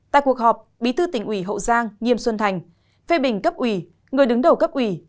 tại cuộc họp bí thư tỉnh ủy hậu giang nghiêm xuân thành phê bình cấp ủy người đứng đầu cấp ủy